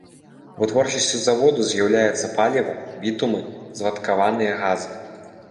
Вытворчасцю заводу з'яўляецца паліва, бітумы, звадкаваныя газы.